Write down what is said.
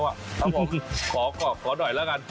ครับผมขอหน่อยแล้วกัน